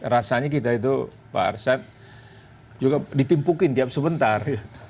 rasanya kita itu pak arsyad juga ditimpukin tiap sebentar